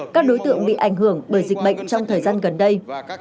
các đối tượng bị ảnh hưởng bởi dịch bệnh trong thời gian gần đây